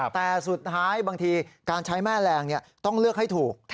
แต่สุดท้ายบางทีการใช้แม่แรงต้องเลือกให้ถูก